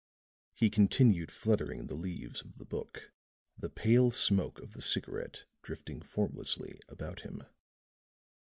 He continued fluttering the leaves of the book, the pale smoke of the cigarette drifting formlessly about him.